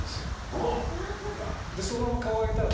そのまま顔上げたら。